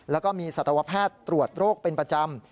แล้วก็มีสัตวแพทย์ตรวจโรคเป็นประจำ